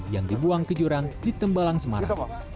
yang dibuang ke jurang di tembalang semarang